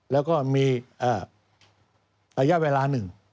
แล้วก็มีระยะเวลาหนึ่ง